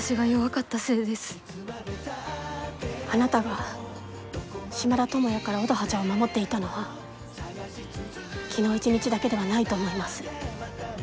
あなたが島田友也から乙葉ちゃんを守っていたのは昨日一日だけではないと思います。